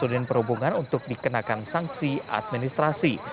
dan perhubungan untuk dikenakan sanksi administrasi